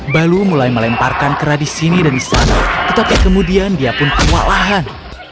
baloo mulai melemparkan kera di sini dan di sana tetapi kemudian dia pun kewalahan